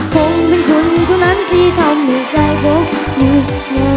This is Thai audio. คงเป็นคุณเท่านั้นที่ทำให้ใจผมอยู่เหงา